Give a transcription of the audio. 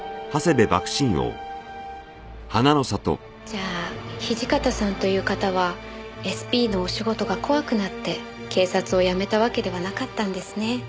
じゃあ土方さんという方はＳＰのお仕事が怖くなって警察を辞めたわけではなかったんですね。